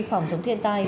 phòng chống thiên tai